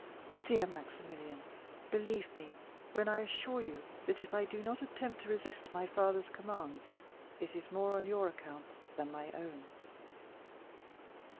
Dear Maximilian, believe me when I assure you that if I do not attempt to resist my father's commands it is more on your account than my own."